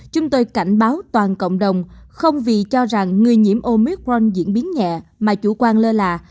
chúng tôi cảnh báo toàn cộng đồng không vì cho rằng người nhiễm omic ron diễn biến nhẹ mà chủ quan lơ là